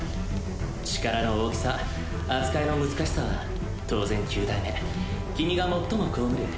力の大きさ扱いの難しさは当然９代目君が最も被る。